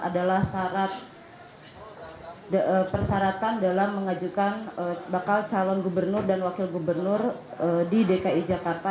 adalah syarat persyaratan dalam mengajukan bakal calon gubernur dan wakil gubernur di dki jakarta